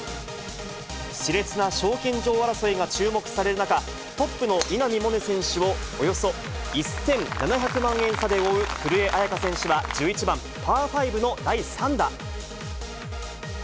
しれつな賞金女王争いが注目される中、トップの稲見萌寧選手をおよそ１７００万円差で追う古江彩佳選手は、１１番パー５の第３打。